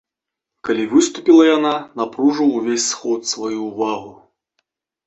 Калі выступіла яна, напружыў увесь сход сваю ўвагу.